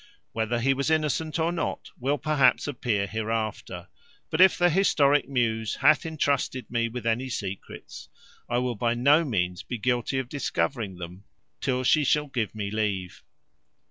Whether he was innocent or not will perhaps appear hereafter; but if the historic muse hath entrusted me with any secrets, I will by no means be guilty of discovering them till she shall give me leave.